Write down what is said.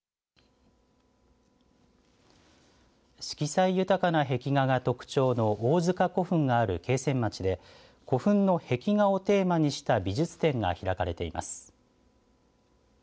色彩豊かな壁画が特徴の王塚古墳がある桂川町で古墳の壁画をテーマにした美術展が開かれています。